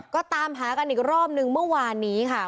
ก็ตามหากันอีกรอบนึงเมื่อวานนี้ค่ะ